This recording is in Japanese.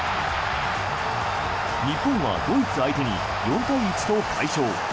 日本はドイツ相手に４対１と快勝。